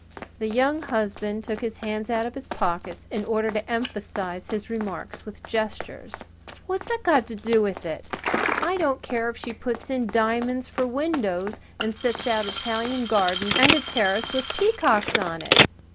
The Young Husband took his hands out of his pockets in order to emphasize his remarks with gestures. "What's that got to do with it? I don't care if she puts in diamonds for windows and sets out Italian gardens and a terrace with peacocks on it.